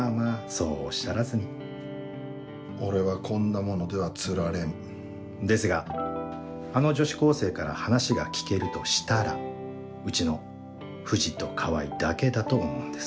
そうおっしゃらずに俺はこんなものでは釣られんですがあの女子高生から話が聞けるとしたらうちの藤と川合だけだと思うんです